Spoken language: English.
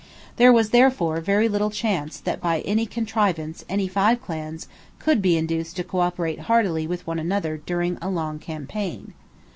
There was therefore very little chance that by any contrivance any five clans could be induced to cooperate heartily with one another during a long campaign.